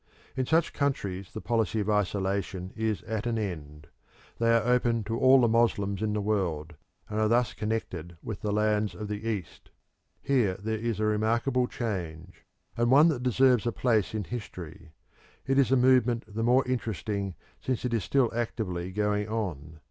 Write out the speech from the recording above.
In such countries the policy of isolation is at an end; they are open to all the Moslems in the world, and are thus connected with the lands of the East. Here there is a remarkable change, and one that deserves a place in history. It is a movement the more interesting since it is still actively going on.